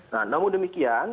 nah namun demikian